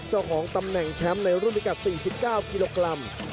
เจ้าของตำแหน่งแชมป์ในรุ่นพิกัด๔๙กิโลกรัม